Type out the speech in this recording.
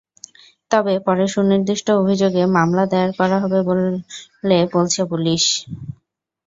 তবে পরে সুনির্দিষ্ট অভিযোগে মামলা দায়ের করা হবে বলে বলছে পুলিশ।